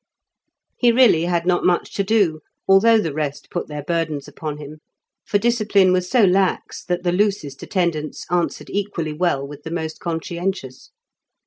He really had not much to do, although the rest put their burdens upon him, for discipline was so lax, that the loosest attendance answered equally well with the most conscientious.